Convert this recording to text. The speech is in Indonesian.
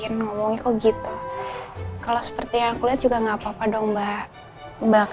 ngomong tucked kalo seperti yang kulihat juga enggak apa apa dong mbak mbak garder